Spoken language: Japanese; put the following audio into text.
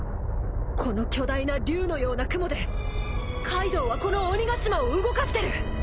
この巨大な龍のような雲でカイドウはこの鬼ヶ島を動かしてる。